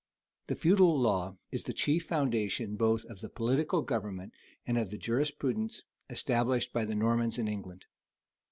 The feudal law is the chief foundation both of the political government and of the jurisprudence established by the Normans in England.